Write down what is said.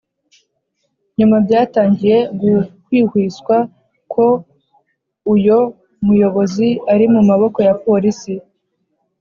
nyuma byatangiye guhwihwiswa ko uyo muyobozi ari mu maboko ya polisi